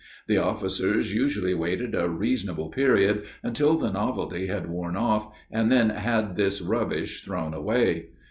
The officers usually waited a reasonable period, until the novelty had worn off, and then had this rubbish thrown away.